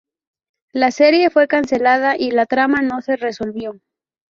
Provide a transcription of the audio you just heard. La serie fue cancelada y la trama no se resolvió.